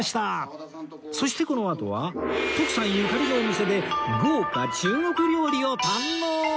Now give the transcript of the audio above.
そしてこのあとは徳さんゆかりのお店で豪華中国料理を堪能！